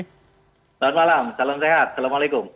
selamat malam salam sehat assalamualaikum